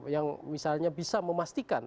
yang bisa memastikan